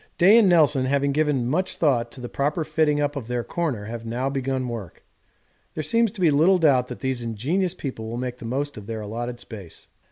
Day and Nelson, having given much thought to the proper fitting up of their corner, have now begun work. There seems to be little doubt that these ingenious people will make the most of their allotted space.